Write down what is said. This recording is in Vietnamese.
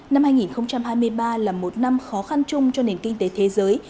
năm hai nghìn hai mươi ba là một năm khó khăn chung cho nền kinh tế thế giới